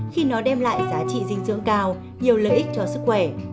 khi nó đem lại giá trị dinh dưỡng cao nhiều lợi ích cho sức khỏe